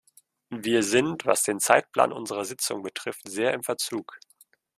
Wir sind, was den Zeitplan unserer Sitzung betrifft, sehr im Verzug.